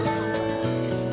pembuatan penting dikenyapkan